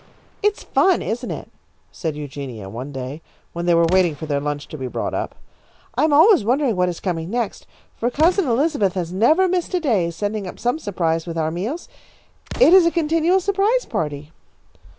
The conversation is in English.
"It's fun, isn't it?" said Eugenia, one day when they were waiting for their lunch to be brought up. "I am always wondering what is coming next, for Cousin Elizabeth has never missed a day, sending up some surprise with our meals. It is a continual surprise party."